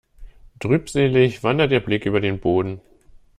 Trübselig wandert ihr Blick über den Boden.